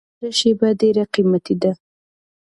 د ژوند هره شېبه ډېره قیمتي ده.